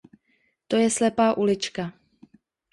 To je slepá ulička.